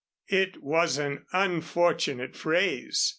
It was an unfortunate phrase.